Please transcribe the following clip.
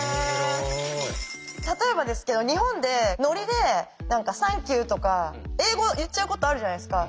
例えばですけど日本でノリで「サンキュー」とか英語言っちゃうことあるじゃないですか。